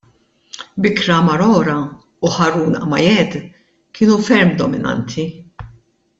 Bikram Arora u Haroon Majeed kienu ferm dominanti.